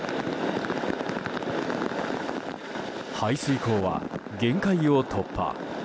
排水溝は限界を突破。